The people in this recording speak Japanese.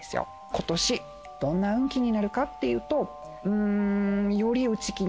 今年どんな運気になるかっていうと。